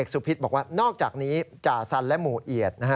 สุพิษบอกว่านอกจากนี้จ่าสันและหมู่เอียดนะฮะ